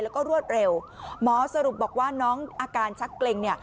แล้วก็รวดเร็วหมอสรุปบอกว่าน้องอาการชักเกร็งเนี่ย